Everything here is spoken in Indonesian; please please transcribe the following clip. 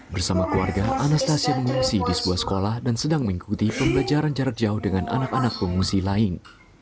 bersama keluarga anastasia mengungsi di sebuah sekolah dan sedang mengikuti pembelajaran jarak jauh dengan anak anak pengungsi lain